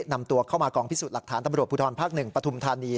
นำตัวเข้ามากองพิสูจน์หลักฐานตำรวจภูทรภาค๑ปฐุมธานี